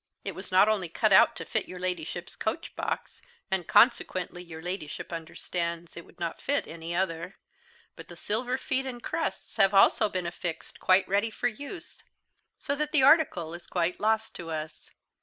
It was not only cut out to fit your Ladyship's coach box and consequently your Ladyship understands it would not fit any other but the silver feet and crests have also been affixed quite ready for use, so that the article is quite lost to us.